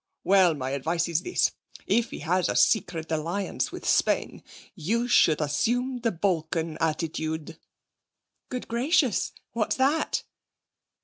Well, my advice is this. If he has a secret alliance with Spain, you should assume the Balkan attitude.' 'Good gracious! What's that?'